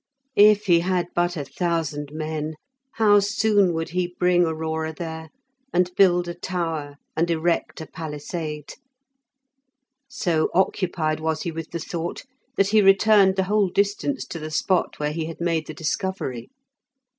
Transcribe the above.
If he had but a thousand men! How soon he would bring Aurora there, and build a tower, and erect a palisade! So occupied was he with the thought that he returned the whole distance to the spot where he had made the discovery.